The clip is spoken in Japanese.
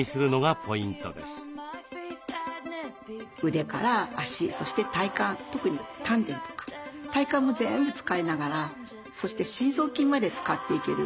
腕から足そして体幹特に丹田とか体幹も全部使いながらそして深層筋まで使っていける。